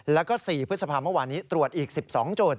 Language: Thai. แล้วก็๔พฤษภาเมื่อวานนี้ตรวจอีก๑๒จุด